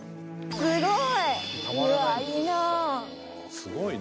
すごいね。